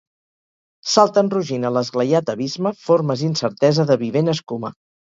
Salten rugint a l'esglaiat abisme formes incertesa de vivent escuma